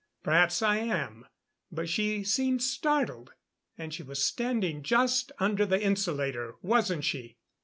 Perhaps I am. But she seemed startled; and she was standing just under the insulator, wasn't she?"